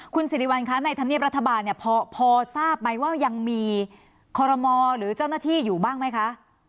คุณสิริวัณคะในธรรมเนียบรัฐบาลเนี่ยพอทราบไหมว่ายังมีคอรมอหรือเจ้าหน้าที่อยู่บ้างไหมคะ